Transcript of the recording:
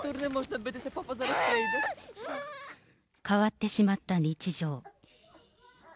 変わってしまった日常。